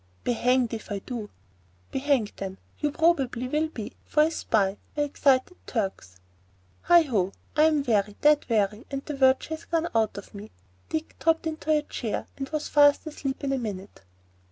"Be hanged if I do!" "Be hanged, then; you probably will be,—for a spy, by excited Turks. Heigh ho! I'm weary, dead weary, and virtue has gone out of me." Dick dropped into a chair, and was fast asleep in a minute.